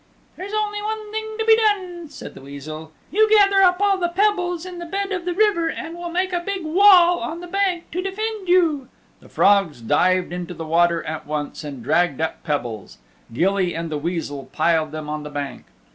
"There's only one thing to be done," said the Weasel. "You gather up all the pebbles in the bed of the fiver and we'll make a big wail on the bank to defend you." The frogs dived into the water at once and dragged up pebbles. Gilly and the Weasel piled them on the bank.